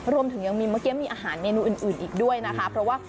รวมถึงยังมีเมื่อกี้มีอาหารเมนูอื่นอีกด้วยนะคะเพราะว่า